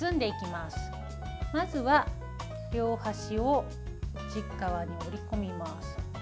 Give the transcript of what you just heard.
まずは両端を内側に折り込みます。